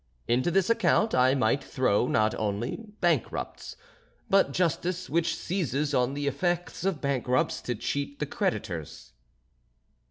Into this account I might throw not only bankrupts, but Justice which seizes on the effects of bankrupts to cheat the creditors."